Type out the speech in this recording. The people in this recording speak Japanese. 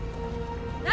何？